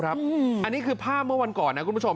อันนี้คือภาพเมื่อวันก่อนนะครับ